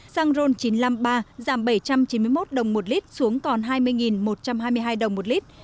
xăng ron chín mươi năm ba giảm bảy trăm chín mươi một đồng một lit xuống còn hai mươi một trăm hai mươi hai đồng một lit